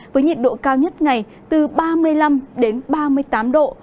với nhiệt độ cao nhất ngày từ ba mươi năm đến ba mươi tám độ